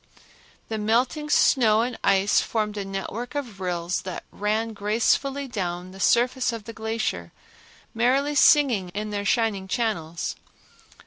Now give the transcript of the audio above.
The melting snow and ice formed a network of rills that ran gracefully down the surface of the glacier, merrily singing in their shining channels.